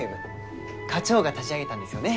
課長が立ち上げたんですよね